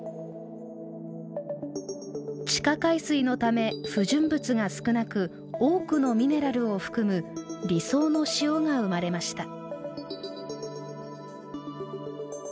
地下海水のため不純物が少なく多くのミネラルを含む理想の塩が生まれました。